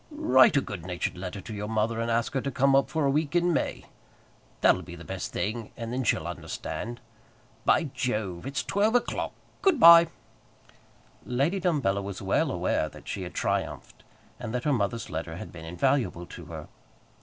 "Write a good natured letter to your mother, and ask her to come up for a week in May. That'll be the best thing; and then she'll understand. By Jove, it's twelve o'clock. Good by." Lady Dumbello was well aware that she had triumphed, and that her mother's letter had been invaluable to her.